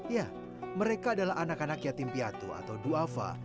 ya mereka adalah anak anak yatim piatu atau duafa